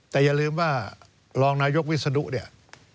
แต่อย่าลืมว่ารองนายกวิศนุเนี่ย